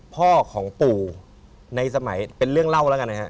พ่อของปู่ในสมัยเป็นเรื่องเล่าแล้วกันนะฮะ